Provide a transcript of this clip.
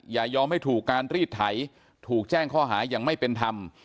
อย่ายอมให้ถูกการรีดไถถูกแจ้งข้อหายังไม่เป็นธรรม